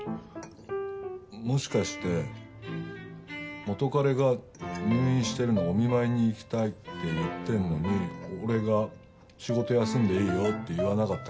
もしかして元カレが入院してるのお見舞いに行きたいって言ってるのに俺が仕事休んでいいよって言わなかったから？